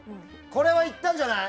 これはいったんじゃない？